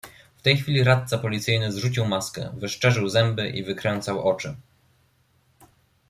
"W tej chwili radca policyjny zrzucił maskę: wyszczerzył zęby i wykręcał oczy."